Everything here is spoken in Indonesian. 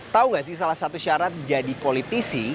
tahu gak sih salah satu syarat jadi politisi